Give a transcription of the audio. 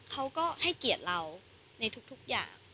เขาก็ให้เกียรติเราในทุกอย่าง